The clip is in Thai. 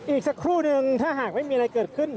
อีกสักครู่นึงถ้าหากไม่มีอะไรเกิดขึ้น